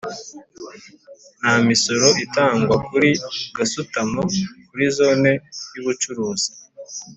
nta misoro itangwa kuri gasutamo kuri Zone y’ubucuruzi